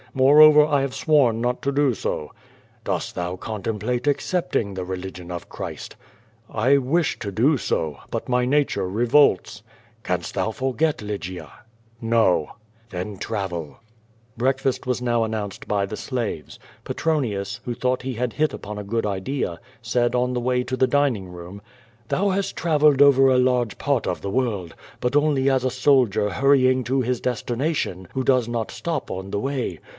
Moreover, I have sworn not to do so." Dost thou contemplate accepting the religion of Christ?'* "I wish to do so, but mv nature revolts." "Canst thou forget Lygia?" t QVO VADtS, ^35 "Then travel." I^reakfast was now announced by the slaves. Petronius, who thon^^ht he had hit upon a good idea, said on the way to the dining room: "Thou hast travelled over a large part of the world, but only as a soldier hurrying to his destination who does not stop on the way.